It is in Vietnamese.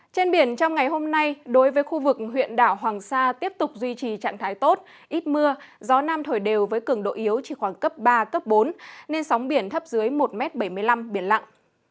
trên biển trong ngày hôm nay đối với khu vực huyện đảo hoàng sa tiếp tục duy trì trạng thái tốt ít mưa gió nam thổi đều với cường độ yếu chỉ khoảng cấp ba cấp bốn nên sóng biển thấp dưới một bảy mươi năm biển lặng